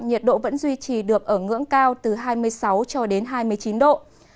nhiệt độ vẫn duy trì được ở ngưỡng cao từ hai mươi sáu cho đến hai mươi chín độ